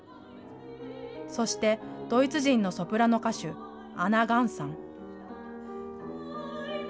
そして、ドイツ人のソプラノ歌手、アナ・ガンさん。